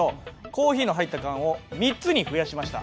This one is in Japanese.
コーヒーの入った缶を３つに増やしました。